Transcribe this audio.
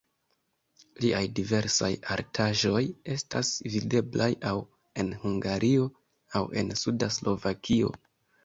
Liaj diversaj artaĵoj estas videblaj aŭ en Hungario, aŭ en suda Slovakio.